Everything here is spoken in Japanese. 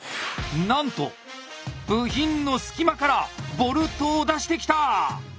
なんと部品の隙間からボルトを出してきた！